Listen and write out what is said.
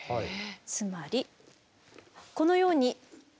つまりこのように。